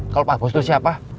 kalau pak bos itu siapa